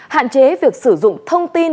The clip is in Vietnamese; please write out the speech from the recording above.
hạn chế việc sử dụng thông tin